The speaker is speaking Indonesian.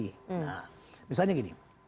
nah misalnya gini